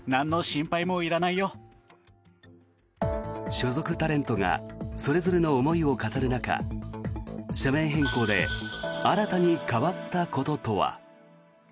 所属タレントがそれぞれの思いを語る中社名変更で新たに変わったこととは。